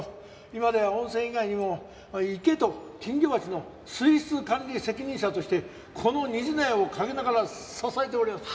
今では温泉以外にも池と金魚鉢の水質管理責任者としてこの虹の屋を陰ながら支えております。